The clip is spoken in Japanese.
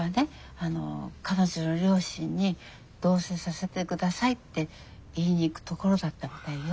あの彼女の両親に同棲させて下さいって言いに行くところだったみたいよ。